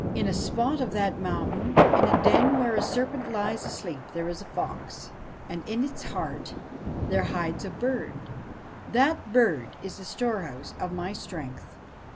In a spot of that mountain in a den where a serpent lies asleep there is a fox, and in its heart there hides a bird. That bird is the storehouse of my strength.